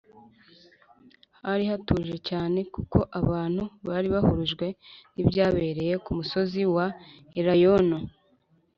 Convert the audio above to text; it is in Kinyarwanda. hari hatuje cyane, kuko abantu bari bahurujwe n’ibyabereye ku musozi wa elayono